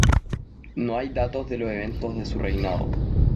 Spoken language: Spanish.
No hay datos de los eventos de su reinado.